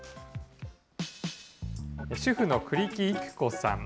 主婦の栗木育子さん。